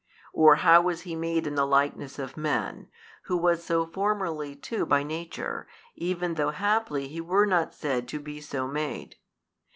or how was he made in the likeness of men, who was so formerly too by nature, even though haply he were not said to be so made?